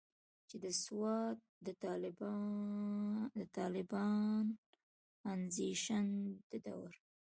چې د سوات د طالبانائزيشن د دور